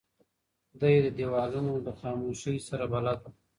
دی د دیوالونو له خاموشۍ سره بلد و.